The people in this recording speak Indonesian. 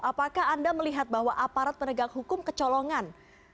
apakah anda melihat bahwa aparat penegak hukum kecolongan